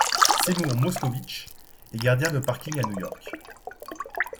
Seymour Moskowitz est gardien de parking à New York.